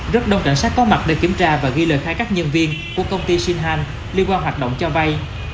rất đông cảnh sát có mặt để kiểm tra và ghi lời khai các nhân viên của công ty sinh han liên quan hoạt động cho vay